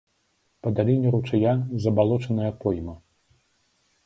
Па даліне ручая забалочаная пойма.